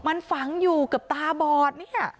มันฝังอยู่กับตาบอด